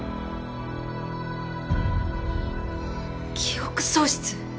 記憶喪失？